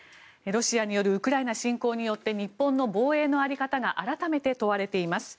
ロシアによるウクライナ侵攻によって日本の防衛の在り方が改めて問われています。